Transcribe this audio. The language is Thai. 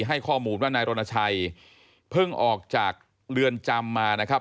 ให้ข้อมูลว่านายรณชัยเพิ่งออกจากเรือนจำมานะครับ